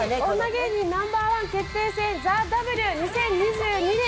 芸人ナンバーワン決定戦『ＴＨＥＷ』２０２２年